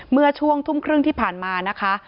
เมื่อช่วงทุ่มครึ่งที่ผ่านมานะคะ